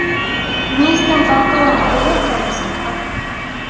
Мейестең тартыуын кәйләгеҙ әле, зинһар